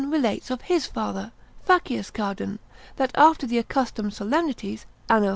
de subtil, relates of his father, Facius Cardan, that after the accustomed solemnities, _An.